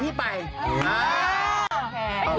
พี่ต้องไปนะครับ